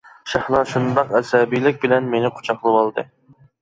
شەھلا شۇنداق ئەسەبىيلىك بىلەن مېنى قۇچاقلىۋالدى.